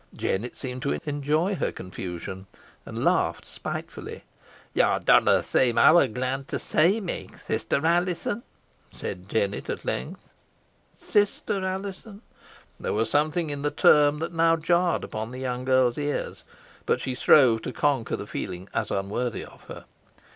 Jennet seemed to enjoy her confusion, and laughed spitefully. "Yo dunna seem ower glad to see me, sister Alizon," said Jennet, at length. "Sister Alizon!" There was something in the term that now jarred upon the young girl's ears, but she strove to conquer the feeling, as unworthy of her.